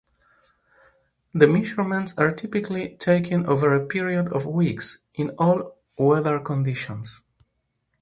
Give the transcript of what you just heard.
The measurements are typically taken over a period of weeks, in all weather conditions.